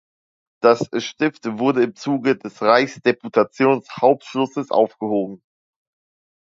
Das Stift wurde im Zuge des Reichsdeputationshauptschlusses aufgehoben.